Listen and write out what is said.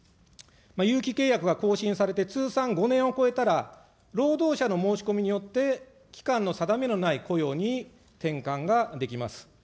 有期契約が更新されて通算５年を超えたら、労働者の申し込みによって、期間の定めのない雇用に転換ができます。